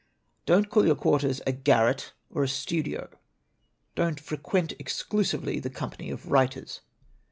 "Don't call your quarters a garret or a studio. "Don't frequent exclusively the company of writers.